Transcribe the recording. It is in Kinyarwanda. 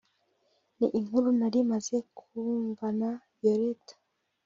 n’inkuru nari maze kumvana Violette